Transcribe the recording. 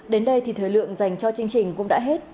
đến đây thì thời lượng dành cho chương trình cũng đã hết